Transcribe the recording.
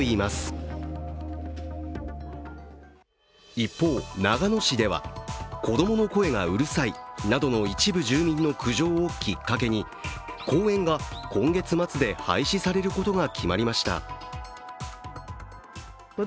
一方、長野市では子供の声がうるさいなどの一部住民の苦情をきっかけに、公園が今月末で廃止されることが決まりました。